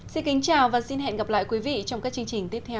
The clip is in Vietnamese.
xin kính chào và xin hẹn gặp lại quý vị trong các chương trình tiếp theo